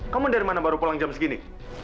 kamu dari mana baru pulang jam segini